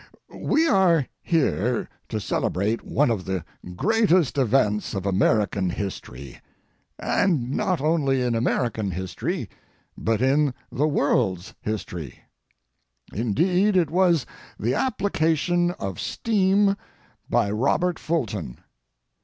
We are here to celebrate one of the greatest events of American history, and not only in American history, but in the world's history. Indeed it was—the application of steam by Robert Fulton.